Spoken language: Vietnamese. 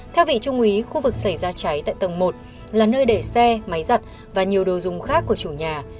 theo vị trung úy khu vực xảy ra cháy tại tầng một là nơi để xe máy giặt và nhiều đồ dùng khác của chủ nhà